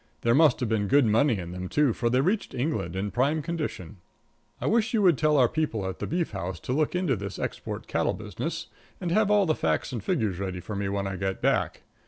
There must have been good money in them, too, for they reached England in prime condition. I wish you would tell our people at the Beef House to look into this export cattle business, and have all the facts and figures ready for me when I get back.